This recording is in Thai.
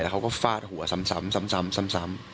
แต่เขาก็ฟาดหัวซ้ำ